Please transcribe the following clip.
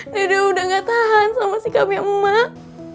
dede udah gak tahan sama sikapnya emak